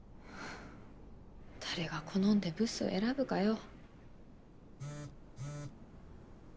誰が好んでブスを選ぶかよ。